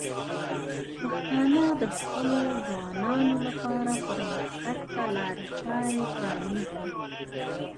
پښتانه د خپلو ځوانانو لپاره پرمختګ ته لارې چارې پرانیزي.